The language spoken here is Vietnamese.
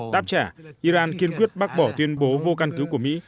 đáp trả iran kiên quyết bác bỏ tuyên bố vô căn cứ của mỹ